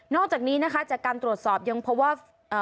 อกจากนี้นะคะจากการตรวจสอบยังพบว่า